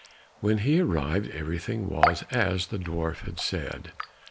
When he arrived, everything was as the dwarf had said.